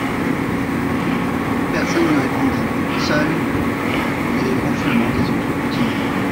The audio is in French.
Personne ne répondit, seuls les ronflements des autres continuaient.